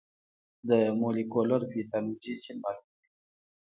د مولېکولر پیتالوژي جین معلوموي.